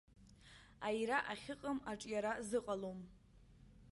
Аира ахьыҟам аҿиара зыҟалома?